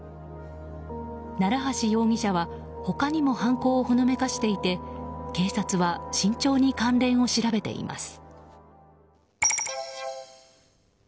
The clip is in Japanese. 奈良橋容疑者は他にも犯行をほのめかしていて警察は慎重に関連を調べています。